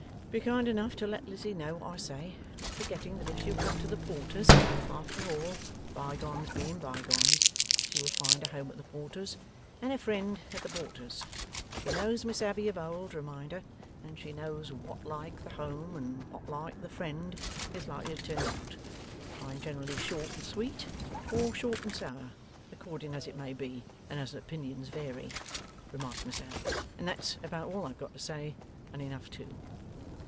Be kind enough to let Lizzie know what I say; not forgetting that if she will come to the Porters, after all, bygones being bygones, she will find a home at the Porters, and a friend at the Porters. She knows Miss Abbey of old, remind her, and she knows what like the home, and what like the friend, is likely to turn out. I am generally short and sweet or short and sour, according as it may be and as opinions vary ' remarked Miss Abbey, 'and that's about all I have got to say, and enough too.